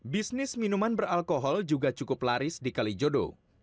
bisnis minuman beralkohol juga cukup laris di kali jodo